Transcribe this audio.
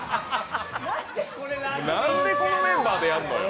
なんで、このメンバーでやんのよ！